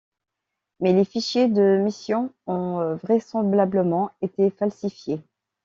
Mais les fichiers de mission ont vraisemblablement été falsifiés.